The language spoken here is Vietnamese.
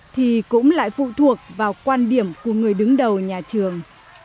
thuộc vào quan điểm của người đứng đầu nhà trường